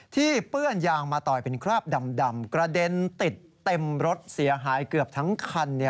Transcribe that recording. เปื้อนยางมาต่อยเป็นคราบดำกระเด็นติดเต็มรถเสียหายเกือบทั้งคัน